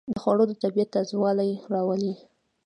خوړل د طبیعت تازهوالی راولي